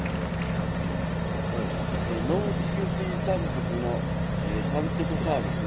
「農畜水産物の産直サービス